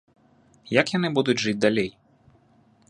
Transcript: Як яны будуць жыць далей?